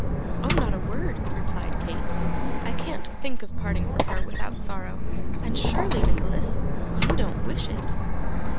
'Oh, not a word,' replied Kate. 'I can't think of parting from her without sorrow; and surely, Nicholas, YOU don't wish it!